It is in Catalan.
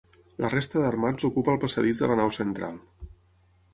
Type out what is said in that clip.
La resta d'armats ocupa el passadís de la nau central.